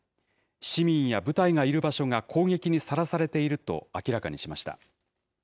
市民や部隊がいる場所が攻撃にさらされていると明らかにしました。